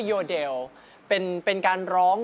โฮลาเลโฮลาเล